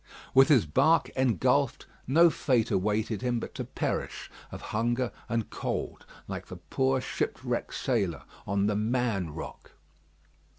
With his bark engulfed, no fate awaited him but to perish of hunger and cold, like the poor shipwrecked sailor on "The Man Rock."